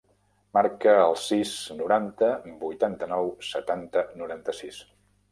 Marca el sis, noranta, vuitanta-nou, setanta, noranta-sis.